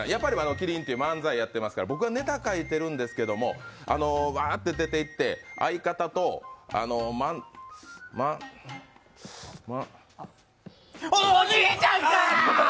麒麟っていう漫才やってますから僕がネタ書いているんですけどわーって言って相方とまん、まんおじいちゃんか！